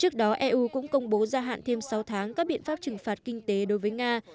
trước đó eu cũng công bố gia hạn thêm sáu tháng các biện pháp trừng phạt kinh tế đối với nga